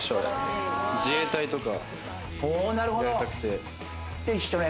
自衛隊とか入りたくて。